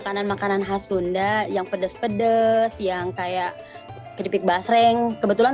indonesia compliant suliteny permanent kindercugreat do not be on my dur signain aku mau berjam jam